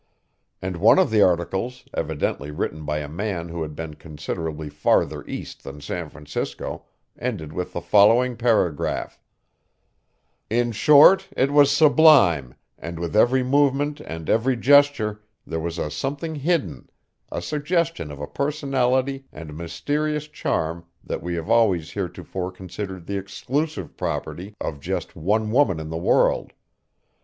And one of the articles, evidently written by a man who had been considerably farther east than San Francisco, ended with the following paragraph: In short, it was sublime, and with every movement and every gesture there was a something hidden, a suggestion of a personality and mysterious charm that we have always heretofore considered the exclusive property of just one woman in the world.